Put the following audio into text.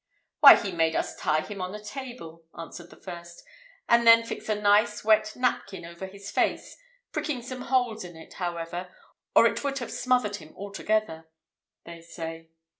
"Why, he made us tie him on a table," answered the first, "and then fix a nice wet napkin over his face, pricking some holes in it, however, or it would have smothered him altogether, they say.